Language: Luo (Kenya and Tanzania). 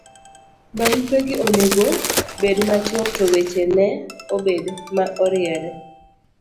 barupegi onego bed machuok to weche ne obed maoriere